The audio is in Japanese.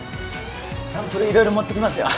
サンプル色々持ってきますよ